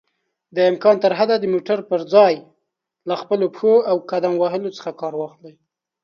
دامکان ترحده د موټر پر ځای له خپلو پښو او قدم وهلو څخه